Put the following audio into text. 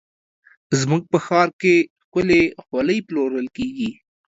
زموږ په ښار کې ښکلې خولۍ پلورل کېږي.